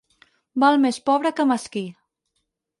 Val més pobre que mesquí.